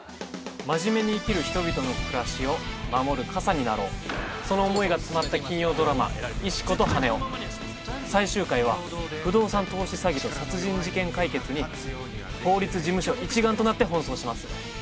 真面目に生きる人々の暮らしを守る傘になろうその思いが詰まった金曜ドラマ「石子と羽男」最終回は不動産投資詐欺と殺人事件解決に法律事務所一丸となって奔走します